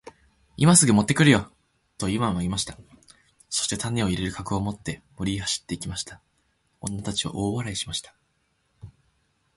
「今すぐ持って来るよ。」とイワンは言いました。そして種を入れる籠を持って森へ走って行きました。女たちは大笑いしました。